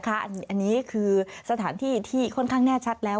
อันนี้คือสถานที่ที่ค่อนข้างแน่ชัดแล้ว